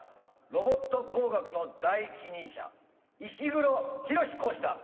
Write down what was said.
ロボット工学の第一人者石黒浩講師だ。